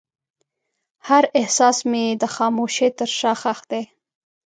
هر احساس مې د خاموشۍ تر شا ښخ دی.